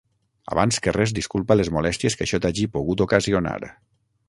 Abans que res disculpa les molèsties que això t'hagi pogut ocasionar.